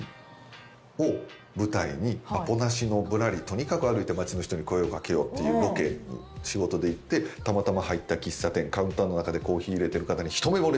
とにかく歩いて街の人に声を掛けようっていうロケに仕事で行ってたまたま入った喫茶店カウンターの中でコーヒー入れてる方に。